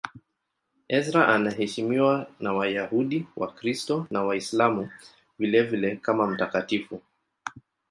Ezra anaheshimiwa na Wayahudi, Wakristo na Waislamu vilevile kama mtakatifu.